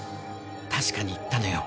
確かに言ったのよ。